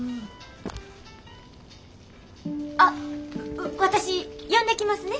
あっ私呼んできますね。